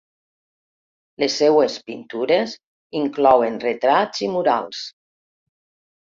Les seves pintures inclouen retrats i murals.